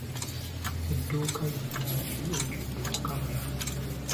Edduuka yonna yali ejjudde okukamala!